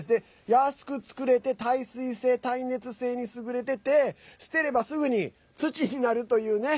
安く作れて耐水性、耐熱性に優れてて捨てればすぐに土になるというね。